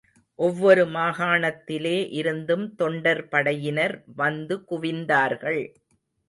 ஒவ்வொரு மாகாணத்திலே இருந்தும் தொண்டர் படையினர் வந்து குவிந்தார்கள்.